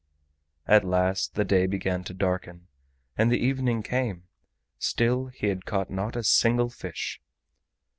At last the day began to darken, and the evening came; still he had caught not a single fish.